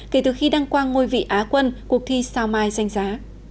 kể từ khi đăng quang ngôi vị á quân cuộc thi sao mai danh giá